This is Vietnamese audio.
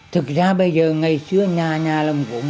thực ra bây giờ ngày xưa nhà nhà làm cũng